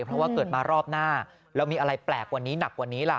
เพราะว่าเกิดมารอบหน้าแล้วมีอะไรแปลกกว่านี้หนักกว่านี้ล่ะ